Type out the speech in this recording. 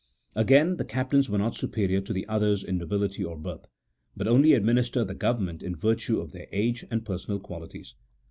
Again, the captains were not superior to the others in nobility or birth, but only administered the government in virtue of their age and personal qualities.